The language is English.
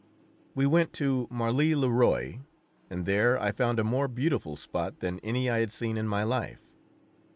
] We went to Marly le Roi, and there I found a more beautiful spot than any I had seen in my life.